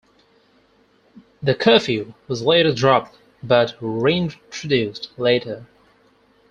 The curfew was later dropped, but reintroduced later.